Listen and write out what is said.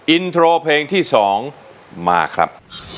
อินโทรเพลงที่๒มาครับ